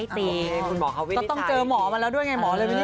ต้องเจอหมอมาแล้วด้วยไง